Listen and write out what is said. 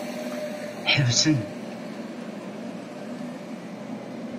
Ḥebsem!